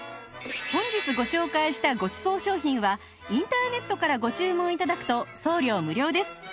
本日ご紹介したごちそう商品はインターネットからご注文頂くと送料無料です